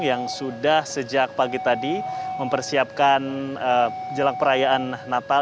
yang sudah sejak pagi tadi mempersiapkan jelang perayaan natal